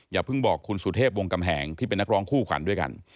อย่าเพิ่งบอกคุณสุเทพวงกำแหงที่เป็นนักร้องคู่ขวัญด้วยกัน